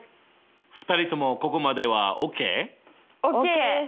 ２人ともここまではＯＫ？ＯＫ！